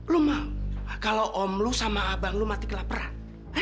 lo mau kalau om lo sama abang lo mati kelaperan